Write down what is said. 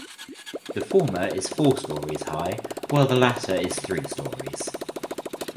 The former is four stories high while the latter is three stories.